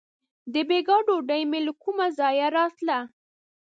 • د بېګا ډوډۍ مې له کومه ځایه راتله.